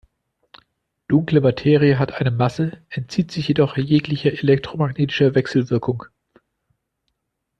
Dunkle Materie hat eine Masse, entzieht sich jedoch jeglicher elektromagnetischer Wechselwirkung.